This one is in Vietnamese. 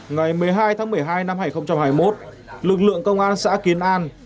ngày một mươi hai tháng một mươi hai năm hai nghìn hai mươi một lực lượng công an xã kiến an